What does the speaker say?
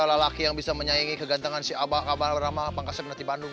oh ini tuh lelaki yang bisa menyaingi kegantangan si abah kabarama pangkaseng di bandung